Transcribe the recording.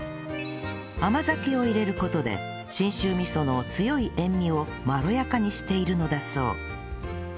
甘酒を入れる事で信州味噌の強い塩味をまろやかにしているのだそう